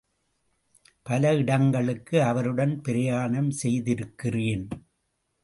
பல இடங்களுக்கு அவருடன் பிரயாணம் செய்திருக்கிறேன்.